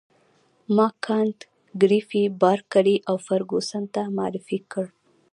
ما کانت ګریفي بارکلي او فرګوسن ته معرفي کړ.